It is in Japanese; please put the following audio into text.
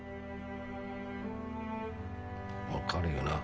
わかるよな？